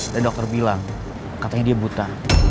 dan dokter bilang katanya dia buta